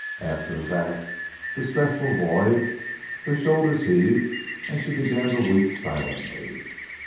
After a vast, distressful void her shoulders heaved and she began to weep silently.